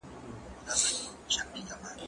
زه اجازه لرم چي ليکنه وکړم؟